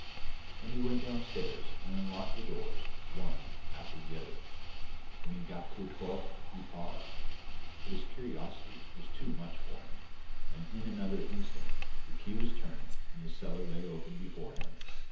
And he went downstairs and unlocked the doors, one after the other. When he got to the twelfth he paused, but his curiosity was too much for him, and in another instant the key was turned and the cellar lay open before him.